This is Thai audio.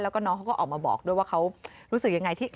แล้วก็น้องเขาก็ออกมาบอกด้วยว่าเขารู้สึกยังไงที่